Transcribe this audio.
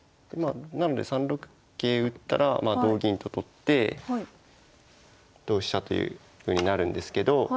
なので３六桂打ったら同銀と取って同飛車というふうになるんですけど。